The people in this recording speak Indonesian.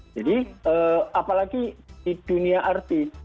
jadi apalagi di dunia artis